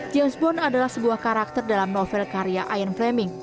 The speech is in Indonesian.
james bond adalah sebuah karakter dalam novel karya ion flamming